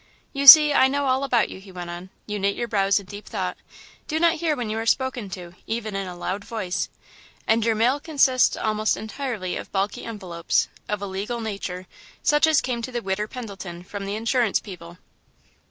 "You see, I know all about you," he went on. "You knit your brows in deep thought, do not hear when you are spoken to, even in a loud voice, and your mail consists almost entirely of bulky envelopes, of a legal nature, such as came to the 'Widder' Pendleton from the insurance people."